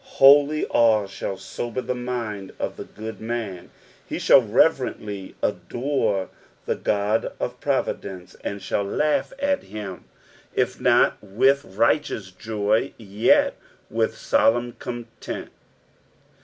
Holy awe shall sober the mind of the good man ; he shall reverently adore the Qod of providence. "And ghalllaiighat Aim." If not with righteous joy, yet with solemn contempt.